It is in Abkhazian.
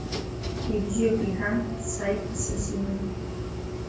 Ибзиоуп, — иҳәан, дцаит исыс иманы.